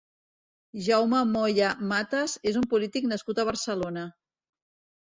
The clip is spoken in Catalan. Jaume Moya Matas és un polític nascut a Barcelona.